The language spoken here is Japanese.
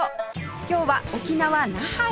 今日は沖縄那覇へ